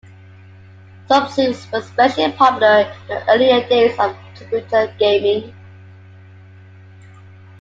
Subsims were especially popular in the earlier days of computer gaming.